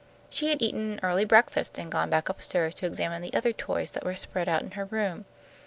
She had eaten an early breakfast and gone back up stairs to examine the other toys that were spread out in her room.